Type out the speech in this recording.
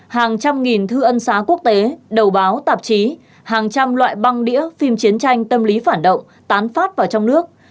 hàng trăm nghìn thư ân xá quốc tế đầu báo tạp chí hàng trăm loại băng đĩa phim chiến tranh tâm lý phản động tán phát vào trong nước